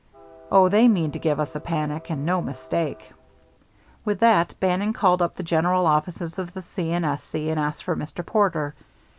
Oh, they mean to give us a picnic, and no mistake!" With that, Bannon called up the general offices of the C. & S. C. and asked for Mr. Porter.